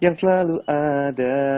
yang selalu ada